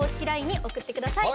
ＬＩＮＥに送ってください。